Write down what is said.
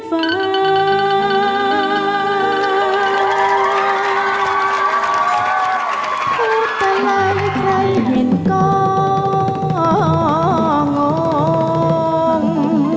พูดอะไรใครเห็นก็งอง